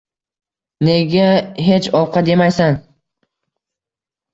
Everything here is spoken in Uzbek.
Nega hech ovqat yemaysan?